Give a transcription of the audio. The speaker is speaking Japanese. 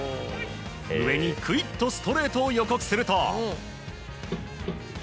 上にくいっとストレートを予告すると。